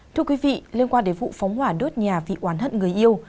thưa quý vị liên quan đến vụ phóng hỏa đốt nhà vì oán hận người yêu